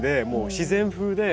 自然風で。